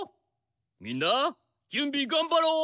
みんなじゅんびがんばろう。